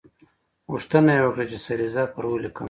غوښتنه یې وکړه چې سریزه پر ولیکم.